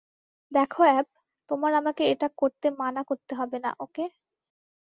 দেখো, অ্যাব, তোমার আমাকে এটা করতে মানা করতে হবে না, ওকে?